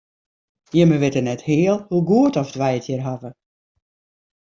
Jimme witte net heal hoe goed oft wy it hjir hawwe.